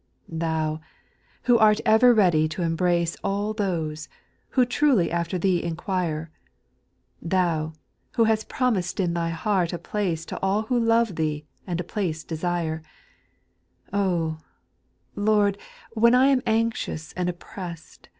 6. Thou, who art ever ready to embrace All those, who truly after Thee inquire, Thou, who hast promised in Thy heart a place To all who love Thee and a place desire ; Oh ! Lord, when I am anxious and oppressed.